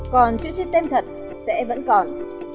còn chữ trên tem thật sẽ vẫn còn